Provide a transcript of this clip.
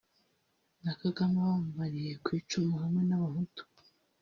na Kagame wabamariye kw’icumu hamwe n’abahutu